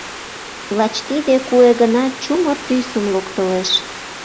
Лач тиде куэ гына чумыр тӱсым локтылеш.